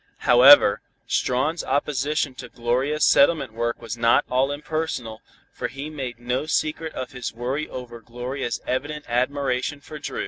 However, Strawn's opposition to Gloria's settlement work was not all impersonal, for he made no secret of his worry over Gloria's evident admiration for Dru.